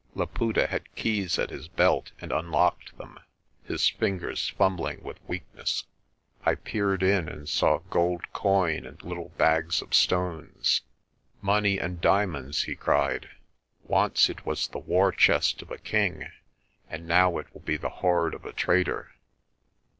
Laputa had keys at his belt and unlocked them, his fingers fumbling with weakness. I peered in and saw gold coin and little bags of stones. "Money and diamonds," he cried. "Once it was the war chest of a king, and now it will be the hoard of a trader.